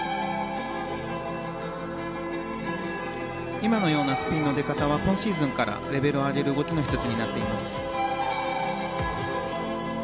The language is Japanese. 今のようなスピンの出方は今シーズンからレベルを上げる動きの１つになっています。